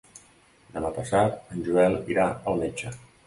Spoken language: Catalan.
Demà passat en Joel irà al metge.